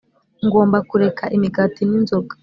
ngomba kureka imigati n'inzoga